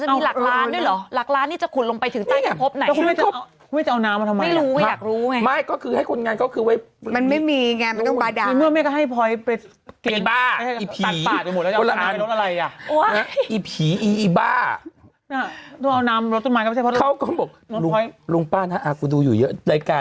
เจ็บแปลกป้าชั้นอยู่จากเจอิงเติอสาวป้าพี่สาวพ่อนั่งดูทุกวัน